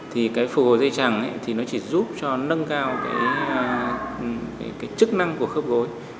thì cái phù hồi dây chẳng thì nó chỉ giúp cho nâng cao cái chức năng của khớp gối